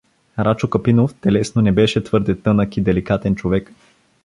Рачо Капинов телесно не беше твърде тънък и деликатен човек.